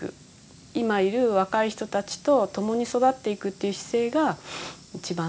今いる若い人たちと共に育っていくっていう姿勢が一番